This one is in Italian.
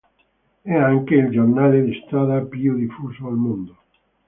È anche il giornale di strada più diffuso al mondo.